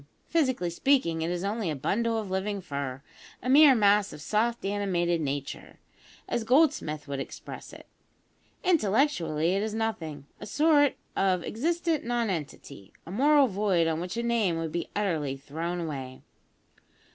Physically speaking, it is only a bundle of living fur a mere mass of soft animated nature, as Goldsmith would express it. Intellectually it is nothing a sort of existent nonentity, a moral void on which a name would be utterly thrown away.